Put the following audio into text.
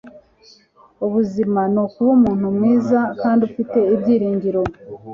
ubuzima ni ukuba umuntu mwiza kandi ufite ibyiringiro